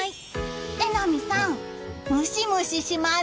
榎並さん、ムシムシします。